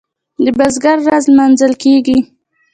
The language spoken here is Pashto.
د بزګر ورځ لمانځل کیږي.